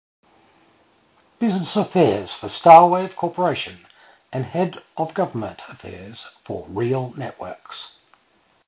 Business Affairs for Starwave Corporation and head of government affairs for RealNetworks.